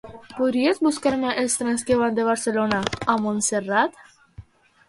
Podries buscar-me els trens que van de Barcelona a Montserrat?